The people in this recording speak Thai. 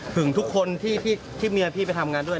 ถึงทุกคนที่เมียพี่ไปทำงานด้วย